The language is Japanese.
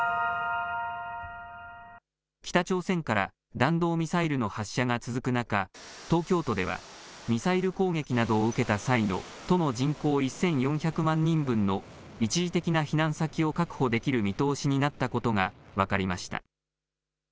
北朝鮮から弾道ミサイルの発射が続く中、東京都では、ミサイル攻撃などを受けた際の、都の人口１４００万人分の一時的な避難先を確保できる見通しになったことが分かりました。